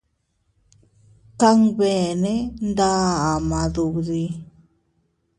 Kanbeene nda ama duddi.